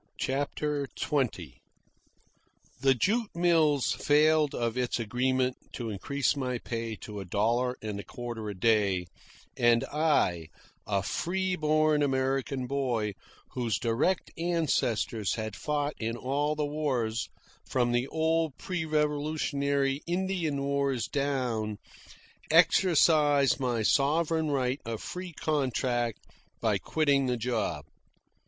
CHAPTER XX The jute mills failed of its agreement to increase my pay to a dollar and a quarter a day, and I, a free born American boy whose direct ancestors had fought in all the wars from the old pre Revolutionary Indian wars down, exercised my sovereign right of free contract by quitting the job.